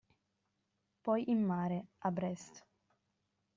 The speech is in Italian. Poi in mare, a Brest.